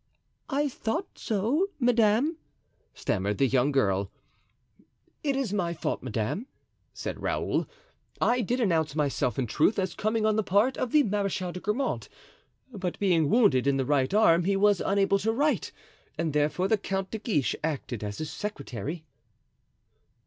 "I thought so, madame," stammered the young girl. "It is my fault, madame," said Raoul. "I did announce myself, in truth, as coming on the part of the Marechal de Grammont; but being wounded in the right arm he was unable to write and therefore the Count de Guiche acted as his secretary."